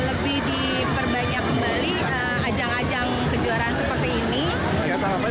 lebih diperbanyak kembali ajang ajang kejuaraan seperti ini